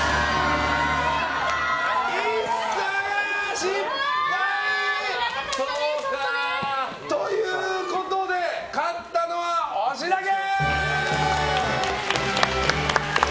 失敗！ということで、勝ったのは押田家！